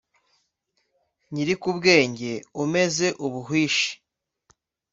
nyirikubwenga umeze ubuhwishi.